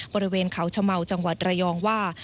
บริเวณเขาชะเมาจังหวัดระยองว่า